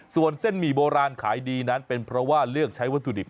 ส่วนเส้นหมี่โบราณขายดีนั้นเป็นเพราะว่าเลือกใช้วัตถุดิบ